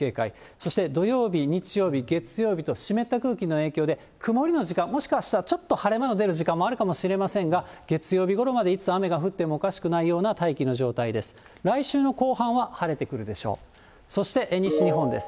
そして土曜日、日曜日、月曜日と、湿った空気の影響で曇りの時間、もしかしたらちょっと晴れ間の出る時間もあるかもしれませんが、月曜日ごろまでいつ雨が降ってもおかしくないような大気の状態です。